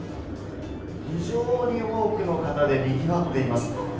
非常に多くの方で賑わっています。